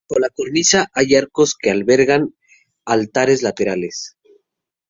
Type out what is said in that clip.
Bajo la cornisa hay arcos que albergan altares laterales.